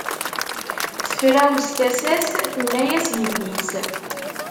Tefrawes tasa-s tenna-as yelli-s.